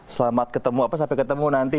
selamat ketemu apa sampai ketemu nanti